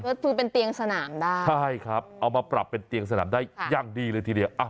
ก็คือเป็นเตียงสนามได้ใช่ครับเอามาปรับเป็นเตียงสนามได้อย่างดีเลยทีเดียว